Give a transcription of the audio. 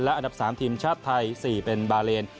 อันดับ๓ทีมชาติไทย๔เป็นบาเลน